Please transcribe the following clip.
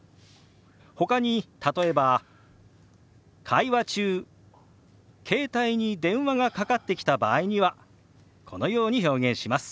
ほかに例えば会話中携帯に電話がかかってきた場合にはこのように表現します。